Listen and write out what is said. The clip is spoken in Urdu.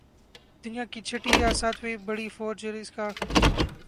دنیا کی چھٹی یا ساتویں بڑی فوج اور اس کا